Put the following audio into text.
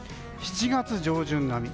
７月上旬並み。